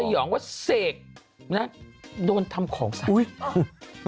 ฝันสยองว่าเสกโดนทำของสาว